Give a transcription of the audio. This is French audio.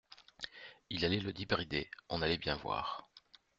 Il allait le débrider. On allait bien voir.